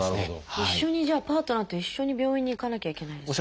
一緒にじゃあパートナーと一緒に病院に行かなきゃいけないんですか？